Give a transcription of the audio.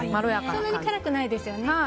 そんなに辛くないですよね。